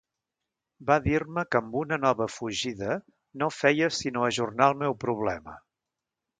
Va dir-me que amb una nova fugida no feia sinó ajornar el meu problema.